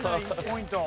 １ポイント。